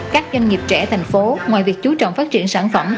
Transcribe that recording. các doanh nghiệp trẻ thành phố ngoài việc chú trọng phát triển sản phẩm